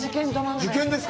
受験ですか。